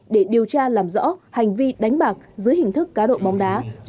để điều tra làm rõ hành vi đánh bạc dưới hình thức cá độ bóng đá